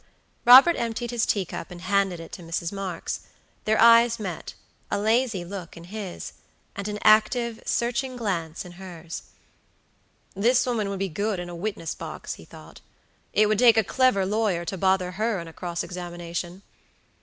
Robert emptied his teacup and handed it to Mrs. Marks. Their eyes meta lazy look in his, and an active, searching glance in hers. "This woman would be good in a witness box," he thought; "it would take a clever lawyer to bother her in a cross examination."